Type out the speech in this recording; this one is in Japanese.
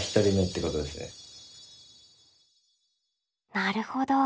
なるほど。